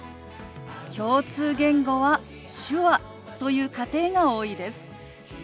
共通言語は手話という家庭が多いです。